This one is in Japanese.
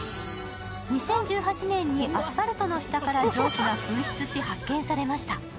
２０１８年にアスファルトの下から蒸気が噴出し、発見されました。